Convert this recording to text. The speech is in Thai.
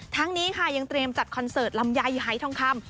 ทั้งนี้ค่ะยังเตรียมจัดคอนเสิร์ตลำไยหายทองคำ